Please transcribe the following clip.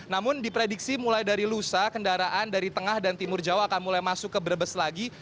namun diprediksi mulai dari lusa kendaraan dari tengah dan timur jawa akan mulai masuk ke brebes lagi